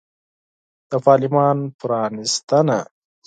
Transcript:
د پارلمان پرانیستنه